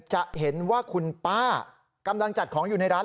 จะเห็นว่าคุณป้ากำลังจัดของอยู่ในร้าน